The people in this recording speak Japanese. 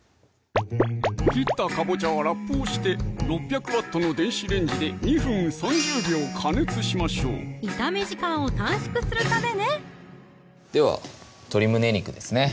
切ったかぼちゃはラップをして６００Ｗの電子レンジで２分３０秒加熱しましょう炒め時間を短縮するためねでは鶏胸肉ですね